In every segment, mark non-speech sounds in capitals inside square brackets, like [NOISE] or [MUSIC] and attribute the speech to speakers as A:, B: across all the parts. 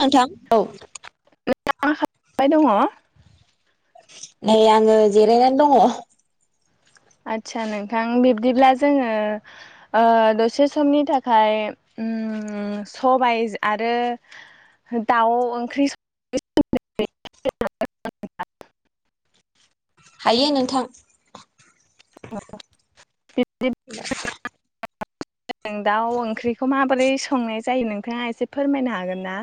A: नोंथां औ।
B: नोंथाङा खालामबाय दङ?
A: नै आङो जिरायनानै दङ।
B: आस्सा नोंथां बिब्दिब्ला जोङो दसे समनि थाखाय सबायाइ आरो दाउ ओंख्रि।
A: हायो नोंथां।
B: [UNINTELLIGIBLE] दाउ ओंख्रिखौ माबोरै संनाय जायो नोंथाङा एसे फोरमायनो हागोन ना?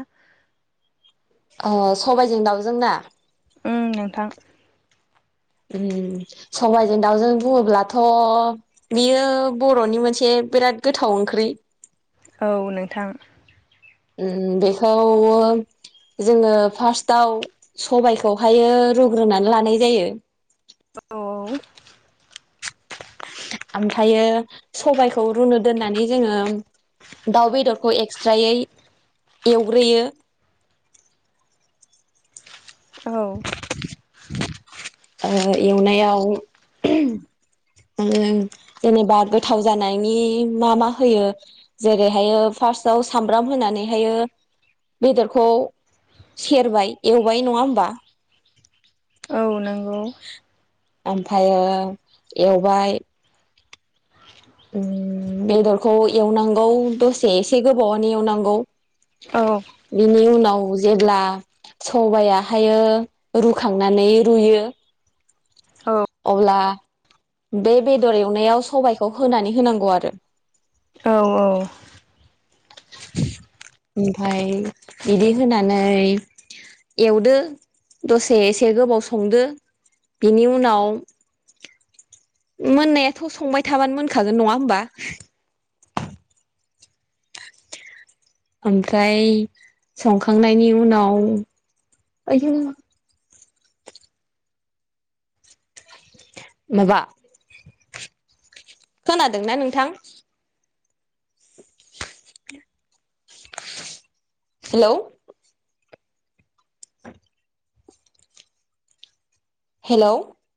A: अ सबायजों दाउजोंना
B: ओम नोंथां
A: सबायजों दाउजों बुङोब्लाथ' बेयो बर'नि मोनसे बिराद गोथाव ओंख्रि।
B: औ नोंथां।
A: बेखौ जोङो फार्स्टआव सबायाइखौहायो रुग्रोनानै लानाय जायो।
B: औ।
A: ओमफ्राय सबायाइखौ रुनो दोननानै जोङो दाउ बेदरखौ एक्सट्रायै एवग्रोयो।
B: औ।
A: ओ एवनायाव जेनेबा गोथाव जानायनि मा मा होयो जेरैहायो फार्स्टआव सामब्राम होनानैहायो बेदरखौ सेरबाय एवबाय नङा होमबा
B: औ नोंगौ
A: ओमफायो एवबाय बेदरखौ एवनांगौ दसे एसे गोबावनो एवनांगौ
B: औ
A: बिनि उनाव जेब्ला सबायाहायो रुखांनानै रुयो
B: औ
A: अब्ला बे बेदर एवनायाव सबाइखौ होनानै होनांगौ आरो
B: औ औ
A: ओमफाय बिदि होनानै एवदो दसे एसे गोबाव संदो बिनि उनाव मोननायाथ' संबाय थाबानो मोनखागोन नङा होमबा ओमफ्राय संखांनायनि उनाव ओ माबा खोनादोंना नोंथां हेलौ हेलौ